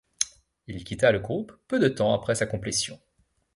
Il quitta le groupe peu de temps après sa complétion.